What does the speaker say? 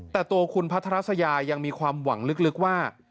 แต่ตัวคุณพัทรสยายังมีความหวังลึกว่า